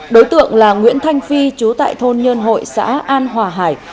đối tượng là nguyễn thanh phi chú tại thôn nhân hội xã an hòa hải